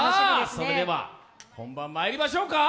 それでは本番まいりましょうか。